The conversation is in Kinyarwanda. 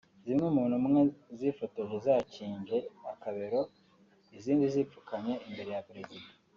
zimwe mu Ntumwa zifotoje zakinje akabero izindi zipfukamye imbere ya Perezida